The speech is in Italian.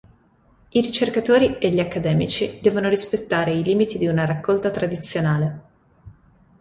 I ricercatori e gli accademici devono rispettare i limiti di una raccolta tradizionale.